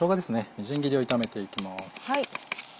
みじん切りを炒めていきます。